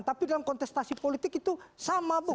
tapi dalam kontestasi politik itu sama bu